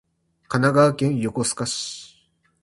神奈川県横須賀市